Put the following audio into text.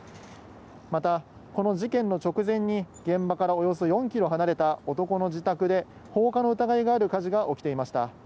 また、この事件の直前に、現場からおよそ４キロ離れた男の自宅で、放火の疑いがある火事が起きていました。